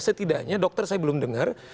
setidaknya dokter saya belum dengar